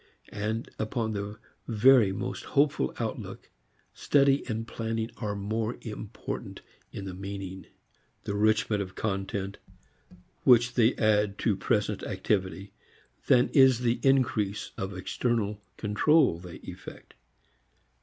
And, upon the very most hopeful outlook, study and planning are more important in the meaning, the enrichment of content, which they add to present activity than is the increase of external control they effect.